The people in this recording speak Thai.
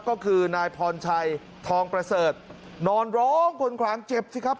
ก็คือนายพรชัยทองประเสริฐนอนร้องคนคลางเจ็บสิครับ